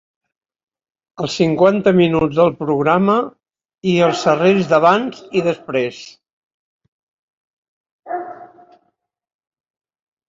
Els cinquanta minuts del programa i els serrells d'abans i després.